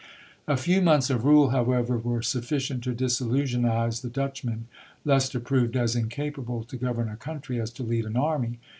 A few months of rule, however, were sufficient to disillusionise the Dutchmen. Leicester proved as incapable to govern a country, as to lead an army.